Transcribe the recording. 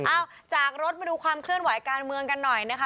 จากรถมาดูความเคลื่อนไหวการเมืองกันหน่อยนะคะ